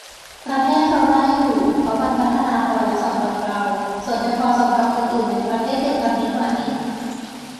ประเทศเราน่าอยู่ เพราะมันพัฒนาพอแล้วสำหรับเรา ส่วนจะพอสำหรับคนอื่นในประเทศเดียวกันนี้ไหม